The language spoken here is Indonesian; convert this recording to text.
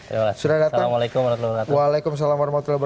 ya assalamualaikum wr wb